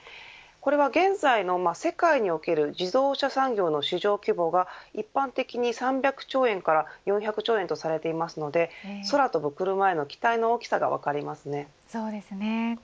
これは現在の世界における自動車産業の市場規模が一般的に３００兆円から４００兆円とされていますので空飛ぶクルマへの期待の大きさが分かりますね。